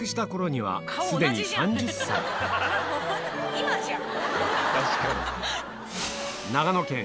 今じゃん。